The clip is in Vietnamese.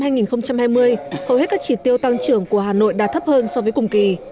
theo báo cáo quý i năm hai nghìn hai mươi hầu hết các chỉ tiêu tăng trưởng của hà nội đã thấp hơn so với cùng kỳ